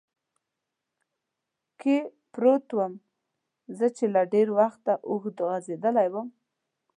کې پروت ووم، زه چې له ډېر وخته اوږد غځېدلی ووم.